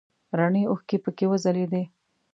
رڼې اوښکې پکې وځلیدې.